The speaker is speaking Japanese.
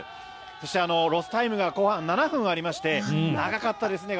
そして、ロスタイムが後半７分ありまして長かったですね。